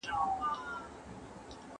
¬ يار تر کوڅه تېر که، رنگ ئې هېر که.